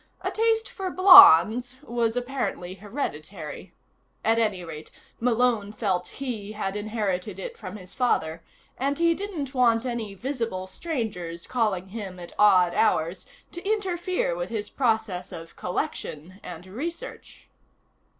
A taste for blondes was apparently hereditary. At any rate, Malone felt he had inherited it from his father, and he didn't want any visible strangers calling him at odd hours to interfere with his process of collection and research.